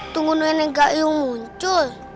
tunggu nenek gayung muncul